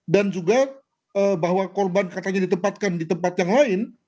dan juga bahwa korban katanya ditempatkan di tempat yang lain